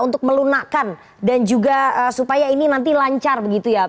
untuk melunakkan dan juga supaya ini nanti lancar begitu ya